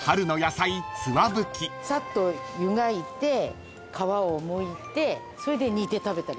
サッと湯がいて皮をむいてそれで煮て食べたりする。